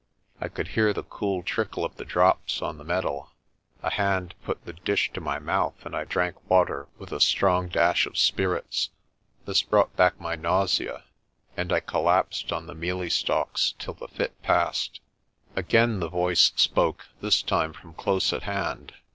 I could hear the cool trickle of the drops on the metal. A hand put the dish to my mouth and I drank water with a strong dash of spirits. This brought back my nausea and I collapsed on the mealie stalks till the fit passed. Again the voice spoke, this time from close at hand.